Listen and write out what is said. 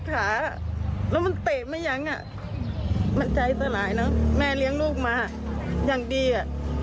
ขาแล้วมันเตะไม่ยั้งอ่ะมันใจสลายเนอะแม่เลี้ยงลูกมาอย่างดีอ่ะ